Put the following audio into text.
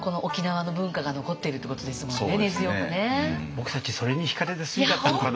僕たちそれにひかれて住んじゃったのかな。